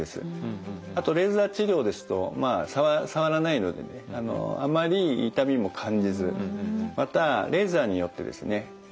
あとレーザー治療ですとまあ触らないのでねあまり痛みも感じずまたレーザーによってですね